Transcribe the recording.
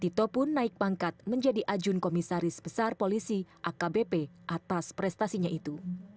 tito pun naik pangkat menjadi ajun komisaris besar polisi akbp atas prestasinya itu